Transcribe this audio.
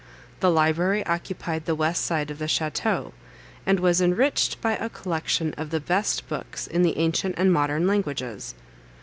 The library occupied the west side of the château, and was enriched by a collection of the best books in the ancient and modern languages.